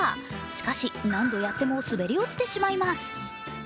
しかし、何度やっても滑り落ちてしまいます。